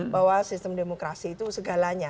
bahwa sistem demokrasi itu segalanya